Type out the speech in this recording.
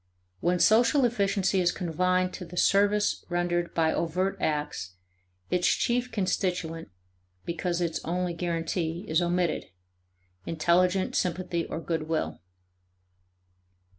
When social efficiency is confined to the service rendered by overt acts, its chief constituent (because its only guarantee) is omitted, intelligent sympathy or good will.